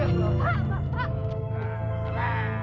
ya allah pak